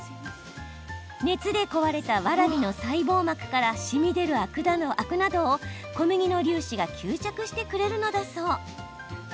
熱で壊れた、わらびの細胞膜からしみ出るアクなどを小麦の粒子が吸着してくれるのだそう。